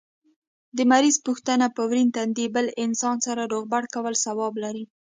د مریض پوښتنه په ورين تندي بل انسان سره روغبړ کول ثواب لري